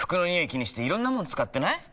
気にしていろんなもの使ってない？